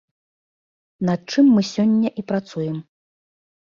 Над чым мы сёння і працуем.